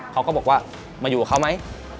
เขาก็บอกว่ามาอยู่กับเขาไหม